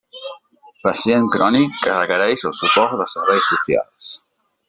Pacient crònic que requereix el suport de serveis socials.